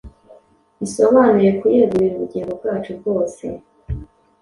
bisobanuye kuyegurira ubugingo bwacu bwose.